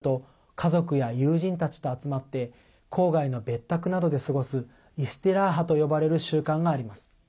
富裕層を中心に週末になると家族や友人たちと集まって郊外の別宅などで過ごすイスティラーハと呼ばれる習慣があります。